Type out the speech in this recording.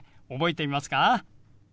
覚えていますか？